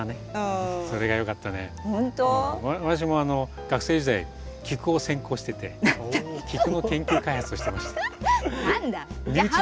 私も学生時代キクを専攻しててキクの研究開発をしてました。